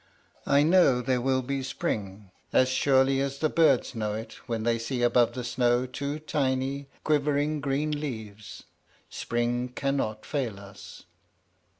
I know there will be spring; as surely as the birds know it when they see above the snow two tiny, quivering green leaves. Spring cannot fail us.